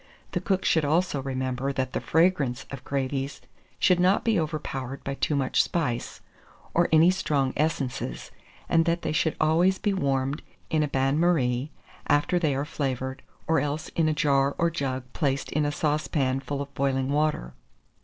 The cook should also remember that the fragrance of gravies should not be overpowered by too much spice, or any strong essences, and that they should always be warmed in a bain marie, after they are flavoured, or else in a jar or jug placed in a saucepan full of boiling water.